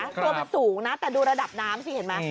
ตัวมันสูงนะแต่ดูระดับน้ำสิเห็นไหม